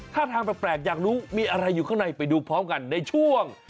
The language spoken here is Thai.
ท่าทางแปลกอยากรู้มีอะไรอยู่ข้างในไปดูพร้อมกันในช่วง